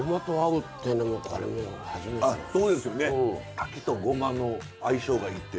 柿とごまの相性がいいって。